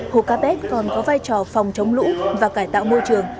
hồ ca pét còn có vai trò phòng chống lũ và cải tạo môi trường